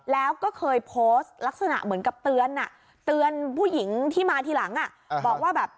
แล้วก็เคยโพสต์ลักษณะเหมือนกับเตือนเตือนผู้หญิงที่มาทีหลังบอกว่าแบบ